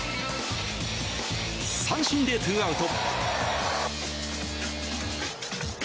三振で２アウト。